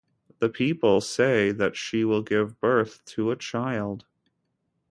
The people say that she will give birth to a child.